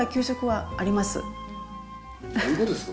いえ、どういうことですか？